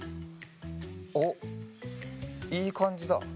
おっいいかんじだ。